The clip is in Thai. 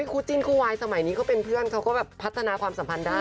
คู่จิ้นคู่วายสมัยนี้เขาเป็นเพื่อนเขาก็แบบพัฒนาความสัมพันธ์ได้